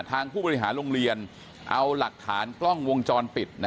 ผู้บริหารโรงเรียนเอาหลักฐานกล้องวงจรปิด